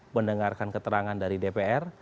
mendengarkan keterangan dari dpr